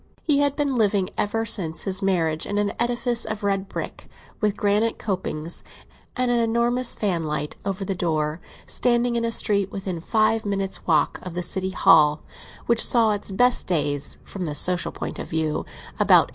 He had been living ever since his marriage in an edifice of red brick, with granite copings and an enormous fanlight over the door, standing in a street within five minutes' walk of the City Hall, which saw its best days (from the social point of view) about 1820.